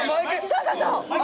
そうそうそう！